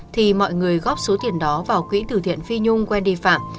thì mọi người góp số tiền đó vào quỹ tử thiện phi nhung wendy phạm